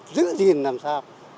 giữ gìn làm sao